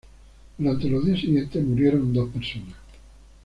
Durante los días siguientes murieron dos personas.